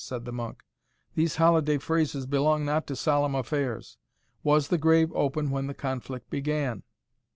said the monk; "these holiday phrases belong not to solemn affairs Was the grave open when the conflict began?"